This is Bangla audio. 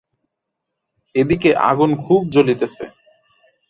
এদিকে আগুন খুব জ্বলিতেছে।